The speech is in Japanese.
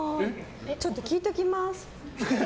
ちょっと聞いておきます。